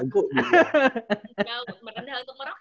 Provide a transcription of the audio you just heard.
enggak lu merendah untuk meroket